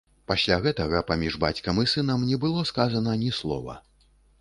Пасля гэтага паміж бацькам і сынам не было сказана ні слова.